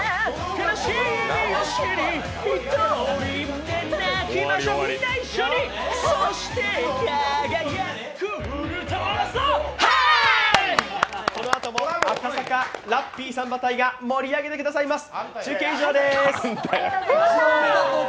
悲しみを知り一人で泣きましょうみんな一緒にこのあとも赤坂ラッピーサンバ隊が盛り上げてくれます。